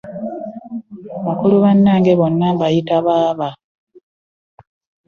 Bakulu bange bonna mbayita ba baaba.